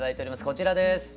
こちらです。